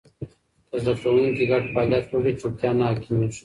که زده کوونکي ګډ فعالیت وکړي، چوپتیا نه حاکمېږي.